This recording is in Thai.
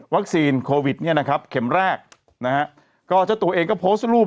โควิดเนี่ยนะครับเข็มแรกนะฮะก็เจ้าตัวเองก็โพสต์รูป